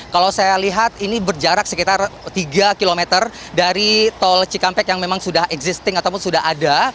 kalau saya lihat ini berjarak sekitar tiga km dari tol cikampek yang memang sudah existing ataupun sudah ada